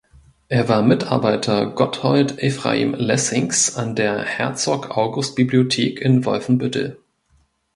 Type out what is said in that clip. Er war Mitarbeiter Gotthold Ephraim Lessings an der Herzog August Bibliothek in Wolfenbüttel.